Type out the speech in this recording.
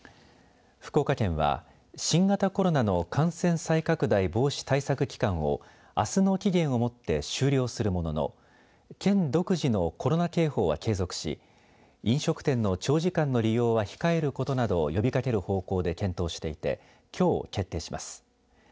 福岡県は、新型コロナの感染再拡大防止対策期間をあすの期限をもって終了するものの県独自のコロナ警報は継続し飲食店の長時間の利用は控えることなどを呼びかける方向で検討していてきょう決定します。